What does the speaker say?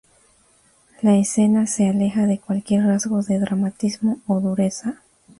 La escena se aleja de cualquier rasgo de dramatismo o dureza.